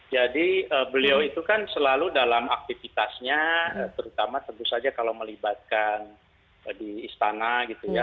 beliau itu kan selalu dalam aktivitasnya terutama tentu saja kalau melibatkan di istana gitu ya